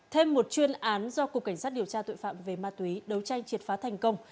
thêm một chuyên án do cục cảnh sát điều tra tội phạm về ma túy đấu tranh triệt phá thành công